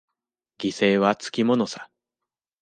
犠牲はつきものさ。